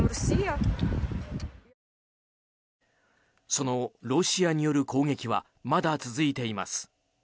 そのロシアによる攻撃はまだ続いています。